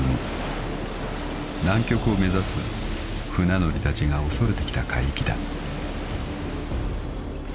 ［南極を目指す船乗りたちが恐れてきた海域だ］